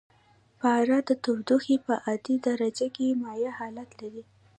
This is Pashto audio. پاره د تودوخې په عادي درجه کې مایع حالت لري.